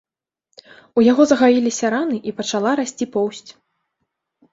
У яго загаіліся раны і пачала расці поўсць.